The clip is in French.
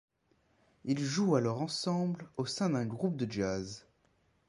Il joue alors ensemble au sein d'un groupe de jazz.